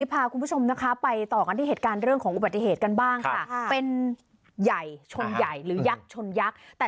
พาคุณผู้ชมไปต่อกันที่เหตุการณ์เรื่องของอุบัติเหตุกันบ้างค่ะ